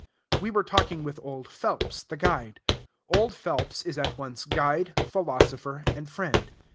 We were talking with old Phelps, the guide. Old Phelps is at once guide, philosopher, and friend.